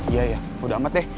iya ya udah amat deh